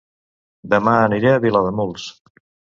Dema aniré a Vilademuls